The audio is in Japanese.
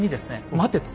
待てと。